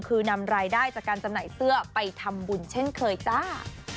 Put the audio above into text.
คือนำรายได้จากการจำหน่ายเสื้อไปทำบุญเช่นเคยจ้า